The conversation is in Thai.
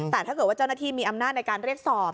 แต่ถ้าเกิดว่าเจ้าหน้าที่มีอำนาจในการเรียกสอบ